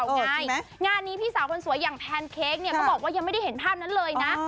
งานนี้พี่สาวคนสวยอย่างแพนเค้กเนี่ยก็บอกว่ายังไม่ได้เห็นภาพนั้นเลยนะ